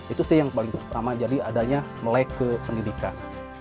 itu sih yang paling utama jadi adanya melek ke pendidikan